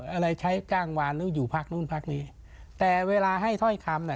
อะไรใช้จ้างวานหรืออยู่พักนู่นพักนี้แต่เวลาให้ถ้อยคำน่ะ